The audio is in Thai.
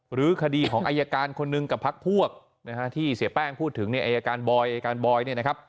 หรือคดีของอายการคนหนึ่งกับพักพวกที่เสียแป้งพูดถึงอายการบอยอายการบอย